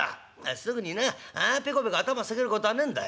すぐになペコペコ頭下げるこたあねんだい。